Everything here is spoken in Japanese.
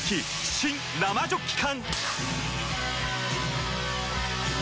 新・生ジョッキ缶！